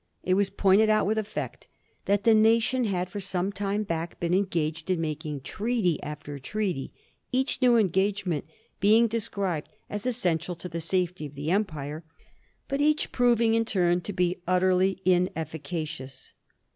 It was point ed out with effect that the nation had for some time hack been engaged in making treaty after treaty, each new en gagement being described as essential to the safety of the empire, but each proving in turn to be utterly ineffica cious.